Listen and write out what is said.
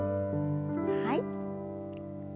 はい。